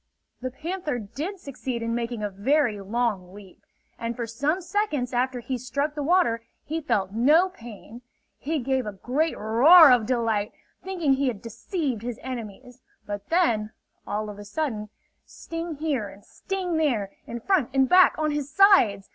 The panther did succeed in making a very long leap, and for some seconds after he struck the water he felt no pain. He gave a great roar of delight, thinking he had deceived his enemies. But then, all of a sudden, sting here and sting there, in front, in back, on his sides!